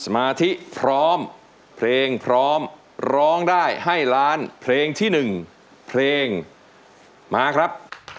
มาที่พร้อมเพลงพร้อมร้องได้ให้ล้านเพลงที่๑เพลงมาครับ